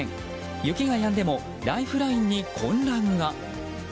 雪がやんでもライフラインに混乱が。